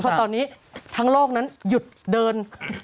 เพราะตอนนี้ทั้งโลกนั้นหยุดเดิน